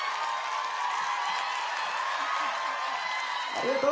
ありがとう！